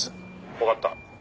「わかった」